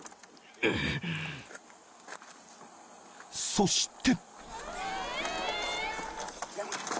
［そして］